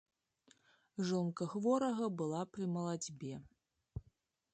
Жонка хворага была пры малацьбе.